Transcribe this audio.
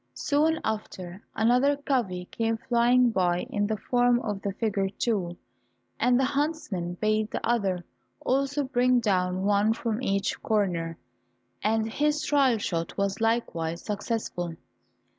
Soon after another covey came flying by in the form of the figure two, and the huntsman bade the other also bring down one from each corner, and his trial shot was likewise successful.